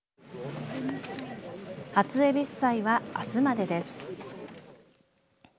初えびす祭は、あすまでです。